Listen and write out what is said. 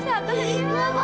yang beluk mama